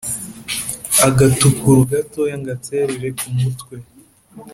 Agatukuru gatoyaNgaterere ku mutwe